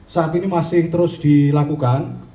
saat ini masih terus dilakukan